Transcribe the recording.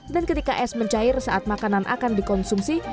dan ketika es mencair saat makanan akan dikonsumsi